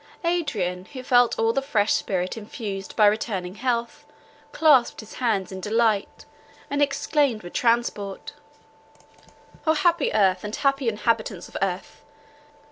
Adrian, who felt all the fresh spirit infused by returning health, clasped his hands in delight, and exclaimed with transport: "O happy earth, and happy inhabitants of earth!